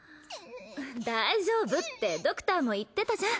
大丈夫ってドクターも言ってたじゃん！